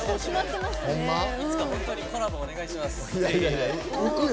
いつか本当にコラボ、お願いします。